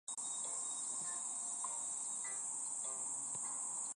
从掉下地球的小行星可以找出更早的岩石。